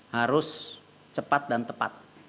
harus cepat dan tepat